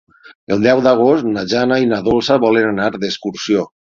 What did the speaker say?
El deu d'agost na Jana i na Dolça volen anar d'excursió.